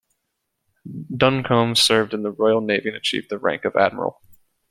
Duncombe served in the Royal Navy and achieved the rank of Admiral.